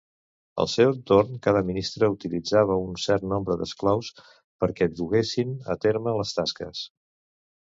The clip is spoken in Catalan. Al seu torn, cada ministre utilitzava un cert nombre d'esclaus perquè duguessin a terme les tasques.